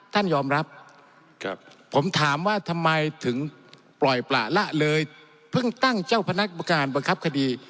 ท่านยอมรับผมถามว่าทำไมถึงปล่อยประละเลยเพิ่งตั้งเจ้าพนักงานบังคับคดี